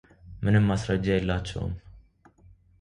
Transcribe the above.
ምንም ማስረጃ የላቸውም፡፡